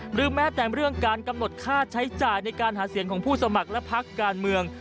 หรือแม้แต่เรื่องการกำหนดค่าใช้จ่ายในการหาเสียงของผู้สมัครและพักการเมือง